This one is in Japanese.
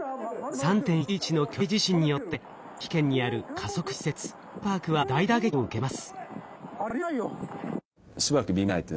３．１１の巨大地震によって茨城県にある加速器施設Ｊ−ＰＡＲＣは大打撃を受けます。